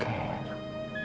saya yang bangun kek